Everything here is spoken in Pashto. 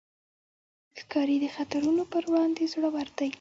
ښکاري د خطرونو پر وړاندې زړور دی.